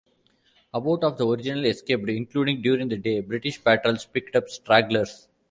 About of the original escaped, including during the day British patrols picked up stragglers.